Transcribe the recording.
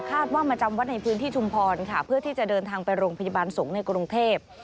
มาจำวัดในพื้นที่ชุมพรค่ะเพื่อที่จะเดินทางไปโรงพยาบาลสงฆ์ในกรุงเทพ